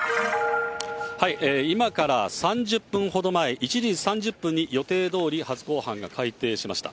今から３０分ほど前、１時３０分に予定どおり初公判が開廷しました。